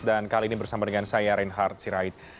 dan kali ini bersama dengan saya reinhard sirahid